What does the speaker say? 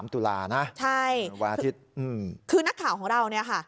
ตุลานะใช่วันอาทิตย์คือนักข่าวของเราเนี่ยค่ะ